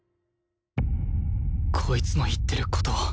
こいつの言ってる事は